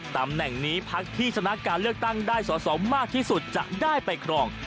ตำแหน่งนี้พักที่ชนะการเลือกตั้งได้สอสอมากที่สุดจะได้ไปครอง